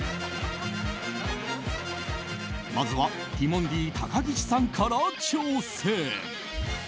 まずは、ティモンディ高岸さんから挑戦。